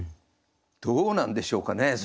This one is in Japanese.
どうなんでしょうかね？